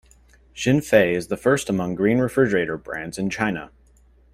Xinfei is the first among green refrigerator brands in China.